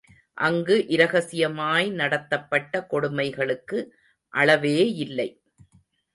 அங்கு இரகசியமாய் நடத்தபட்ட கொடுமைகளுக்கு அளவேயில்லை.